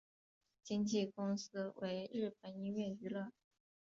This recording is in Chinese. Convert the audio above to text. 经纪公司为日本音乐娱乐。